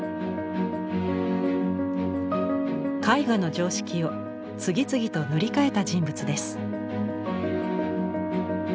絵画の常識を次々と塗り替えた人物です。